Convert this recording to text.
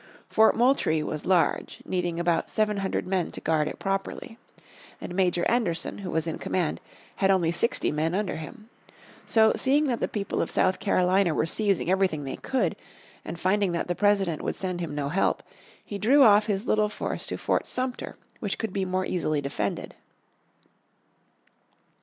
Fort Moultrie was large, needing about seven hundred men to guard it properly, and Major Anderson, who was in command, had only sixty men under him. So, seeing that the people of South Carolina were seizing everything they could, and finding that the President would send him no help, he drew off his little force to Fort Sumter which could be more easily defended.